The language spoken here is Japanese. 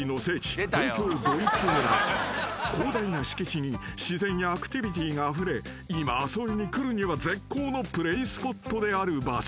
［広大な敷地に自然やアクティビティーがあふれ今遊びに来るには絶好のプレースポットである場所］